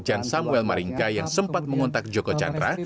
jan samuel maringka yang sempat mengontak jokocandra